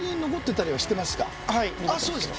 ああそうですか。